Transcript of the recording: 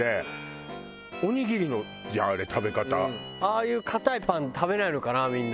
ああいう硬いパン食べないのかなみんな。